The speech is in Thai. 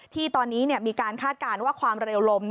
ที่ตอนนี้มีการคาดการณ์ว่าความเร็วลม